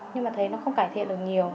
nhưng mà thấy nó không cải thiện được nhiều